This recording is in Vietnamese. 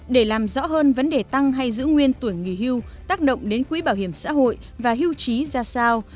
để làm rõ hơn vấn đề tăng hay giữ nguyên tuổi nghỉ hưu tác động đến quỹ bảo hiểm xã hội và hưu trí ra sao